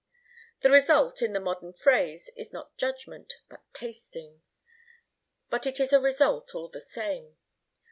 The result, in the modern phrase, is not judgment, but tasting. But it is a result, all the same.